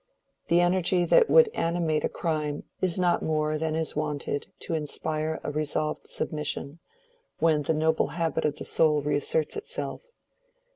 The energy that would animate a crime is not more than is wanted to inspire a resolved submission, when the noble habit of the soul reasserts itself.